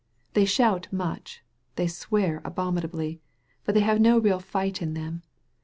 They shout much: they swear abominably: but they have no real fight in them.